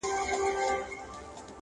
لا تیاره وه په اوږو یې ساه شړله٫